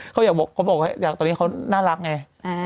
เขาอยากเขาบอกว่าตอนนี้เขาน่ารักไง